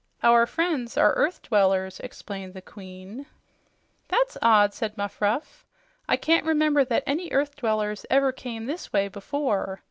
"Our friends are earth dwellers," explained the Queen. "That's odd," said Muffruff. "I can't remember that any earth dwellers ever came this way before.